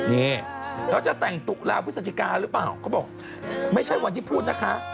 นี่แล้วจะแต่งตุลาพฤศจิกาหรือเปล่าเขาบอกไม่ใช่วันที่พูดนะคะ